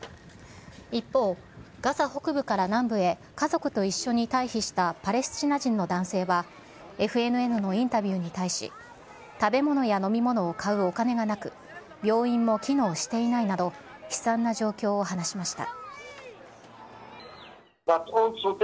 一方、ガザ北部から南部へ家族と一緒に退避したパレスチナ人の男性は、ＦＮＮのインタビューに対し、食べ物や飲み物を買うお金がなく、病院も機能していないなど、悲惨な状況を話しました。